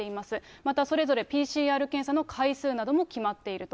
またそれぞれＰＣＲ検査の回数なども決まっていると。